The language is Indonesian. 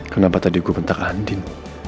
kenapa tadi gue bentak andin